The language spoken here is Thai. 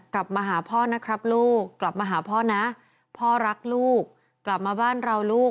กลับมาหาพ่อนะครับลูกกลับมาหาพ่อนะพ่อรักลูกกลับมาบ้านเราลูก